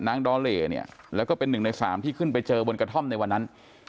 ดอเลเนี่ยแล้วก็เป็นหนึ่งในสามที่ขึ้นไปเจอบนกระท่อมในวันนั้น